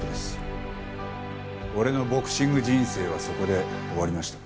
俺のボクシング人生はそこで終わりました。